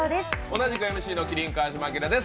同じくＭＣの麒麟川島明です。